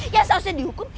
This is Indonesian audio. yang selesai dihukum